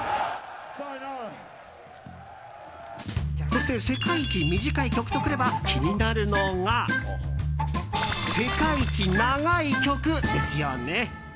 そして、世界一短い曲とくれば気になるのが世界一長い曲ですよね。